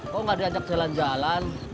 kok nggak diajak jalan jalan